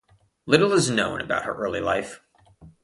Little is known about her early life.